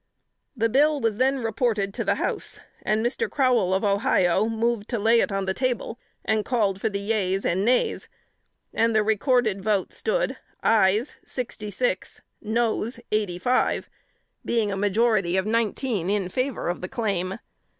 The bill was then reported to the House, and Mr. Crowell, of Ohio, moved to lay it on the table, and called for the yeas and nays; and the recorded vote stood, ayes sixty six, noes eighty five being a majority of nineteen in favor of the claim.